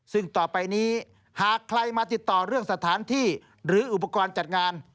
ซึ่งต่อไปนี้หากใครมาติดต่อเรื่องสถานที่หรืออุปกรณ์จัดงาน